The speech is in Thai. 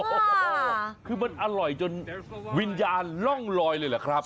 โอ้โหคือมันอร่อยจนวิญญาณร่องลอยเลยเหรอครับ